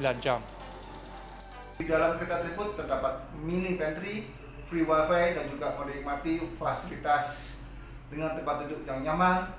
di dalam kereta tersebut terdapat mini bentry free wifi dan juga menikmati fasilitas dengan tempat duduk yang nyaman